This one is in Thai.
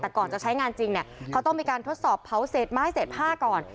แต่ก่อนจะใช้งานจริงเนี่ยเขาต้องมีการทดสอบเผาเศษไม้เศษผ้าก่อน